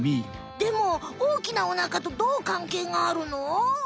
でもおおきなお腹とどうかんけいがあるの？